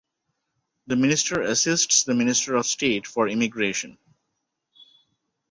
The minister assists the Minister of State for Immigration.